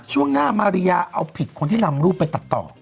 ช่วงหน้ามาริยาเอาผิดคนที่นำรูปไปตัดต่อ